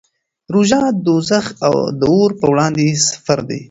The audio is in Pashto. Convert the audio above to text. روژه د دوزخ د اور پر وړاندې سپر دی.